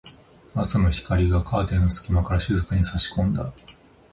朝の光がカーテンの隙間から静かに差し込んだ。